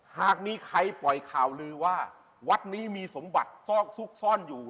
หากมีใครปล่อยข่าวลือว่าวัดนี้มีสมบัติซอกซุกซ่อนอยู่